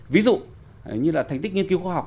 ví dụ như là thành tích nghiên cứu khoa học